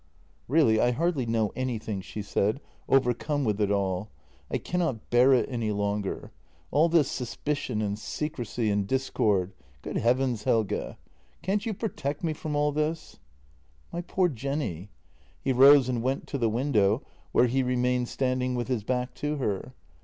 " Really, I hardly know anything," she said, overcome with it all. " I cannot bear it any longer. All this suspicion and secrecy and discord. Good heavens, Helge !— can't you pro tect me from all this ?"" My poor Jenny." He rose and went to the window, where he remained standing with his back to her.